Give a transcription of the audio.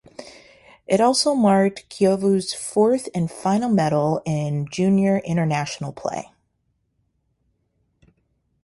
It also marked Koivu's fourth and final medal in junior international play.